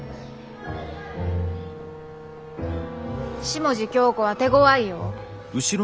下地響子は手ごわいよ。